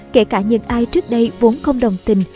kể cả những ai trước đây vốn không đồng tình